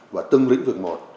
và từng lĩnh vực một